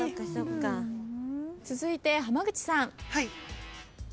続いて浜口さん。